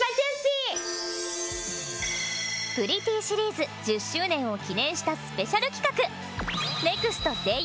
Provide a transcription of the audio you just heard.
プリティーシリーズ１０周年を記念したスペシャル企画。